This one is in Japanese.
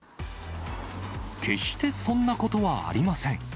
決してそんなことはありません。